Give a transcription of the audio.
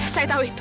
saya tahu itu